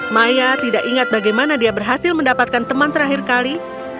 maya tidak ingat bagaimana dia berhasil mendapatkan teman terakhir kali